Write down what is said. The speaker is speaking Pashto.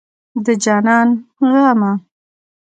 د جانان غمه